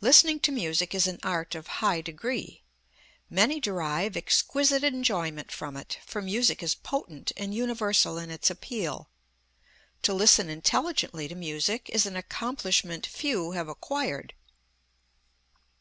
Listening to music is an art of high degree. Many derive exquisite enjoyment from it, for music is potent and universal in its appeal. To listen intelligently to music is an accomplishment few have acquired.